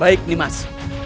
baik nih mas